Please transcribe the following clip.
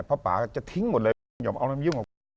พ่อป่าจะทิ้งหมดเลยอย่าเอาลำยุ่งออกไป